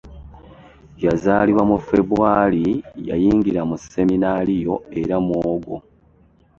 Yazaalibwa mu Februari yayingira mu Seminario era mu ogwo.